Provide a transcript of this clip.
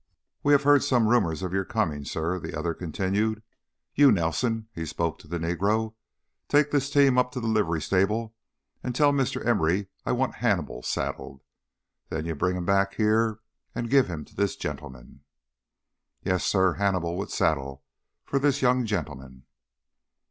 "We have heard some rumors of your coming, suh," the other continued. "You, Nelson," he spoke to the Negro, "take this team up to the livery stable and tell Mr. Emory I want Hannibal saddled! Then you bring him back here and give him to this gentleman!" "Yes, suh. Hannibal wi' saddle for this young gentlem'n."